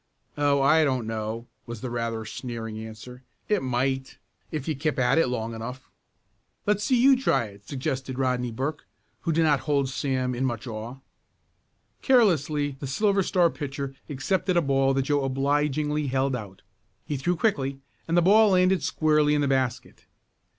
"Oh, I don't know," was the rather sneering answer. "It might, if you kept at it long enough." "Let's see you try it," suggested Rodney Burke, who did not hold Sam in much awe. Carelessly the Silver Star pitcher accepted a ball that Joe obligingly held out. He threw quickly and the ball landed squarely in the basket.